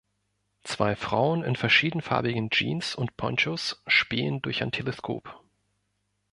Zwei Frauen in verschiedenfarbigen Jeans und Ponchos spähen durch ein Teleskop.